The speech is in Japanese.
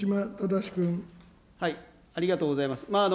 ありがとうございます。